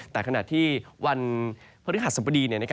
แต่ขณะที่วันพฤษฐศัพท์บดี